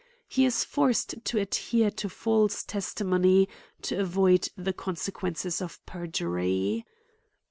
Jle is forced to adhere to false testimony to avoid the consequen ces of perjury.